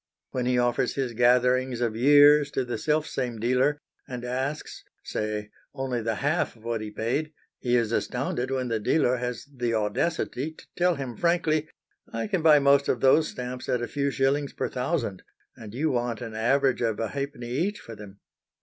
When he offers his gatherings of years to the self same dealer, and asks, say, only the half of what he paid, he is astounded when the dealer has the audacity to tell him frankly, "I can buy most of those stamps at a few shillings per thousand, and you want an average of a halfpenny each for them!"